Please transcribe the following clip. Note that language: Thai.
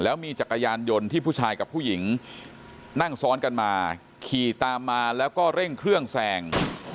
แล้วมีจักรยานยนต์ที่ผู้ชายกับผู้หญิงนั่งซ้อนกันมาขี่ตามมาแล้วก็เร่งเครื่องแซง